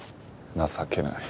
情けない。